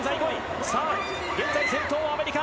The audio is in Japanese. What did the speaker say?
現在先頭はアメリカ。